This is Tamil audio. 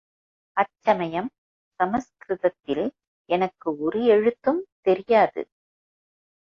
அச் சமயம் சம்ஸ்கிருதத்தில் எனக்கு ஒரு எழுத்தும் தெரியாது.